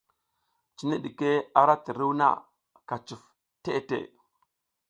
Cine ɗike a ra tiruw na, ka cuf teʼe teʼe.